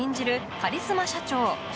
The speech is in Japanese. カリスマ社長